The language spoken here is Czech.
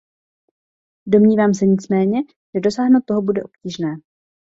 Domnívám se nicméně, že dosáhnout toho bude obtížné.